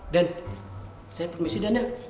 den saya permisi den ya